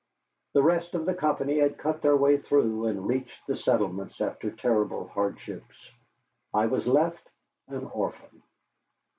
The rest of the company had cut their way through and reached the settlements after terrible hardships. I was left an orphan.